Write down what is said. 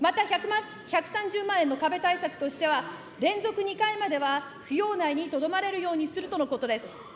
また、１３０万円の壁対策としては、連続２回までは扶養内にとどまれるようにするとのことです。